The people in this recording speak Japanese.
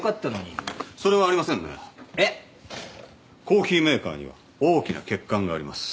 コーヒーメーカーには大きな欠陥があります。